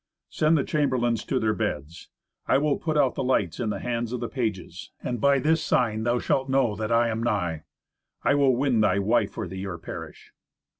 Send the chamberlains to their beds. I will put out the lights in the hands of the pages, and by this sign thou shalt know that I am nigh. I will win thy wife for thee or perish."